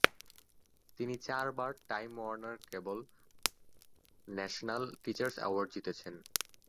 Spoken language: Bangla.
তিনি চারবার Time Warner Cable National Teachers Award জিতেছেন।